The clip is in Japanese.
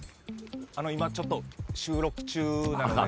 今ちょっと収録中なんで。